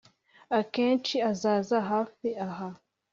akenshi azaza hafi aha ,